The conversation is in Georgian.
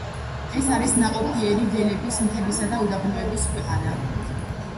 ეს არის ნაყოფიერი ველების, მთებისა და უდაბნოების ქვეყანა.